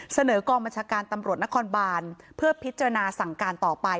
เสนอกองบัญชาการตำรวจนครบานเพื่อพิจารณาสั่งการต่อไป